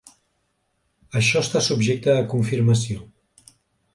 Això està subjecte a confirmació.